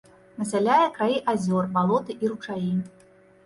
Насяляе краі азёр, балоты і ручаі.